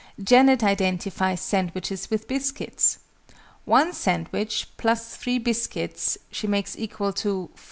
JANET identifies sandwiches with biscuits! "One sandwich + 3 biscuits" she makes equal to "4."